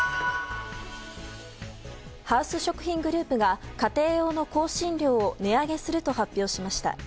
ハウス食品グループが家庭用の香辛料を値上げすると発表しました。